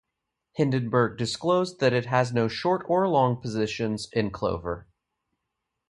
Hindenburg disclosed that it has no short or long positions in Clover.